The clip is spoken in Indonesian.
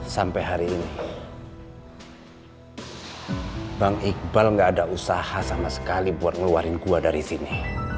sampai hari ini bang iqbal gak ada usaha sama sekali buat ngeluarin gue dari sini